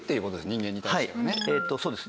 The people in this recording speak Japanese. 人間に対してはね。